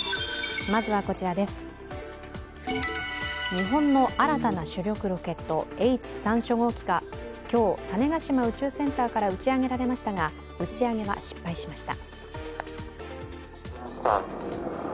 日本の新たな主力ロケットＨ３初号機が今日、種子島宇宙センターから打ち上げられましたが、打ち上げは失敗しました。